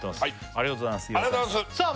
ありがとうございますさあ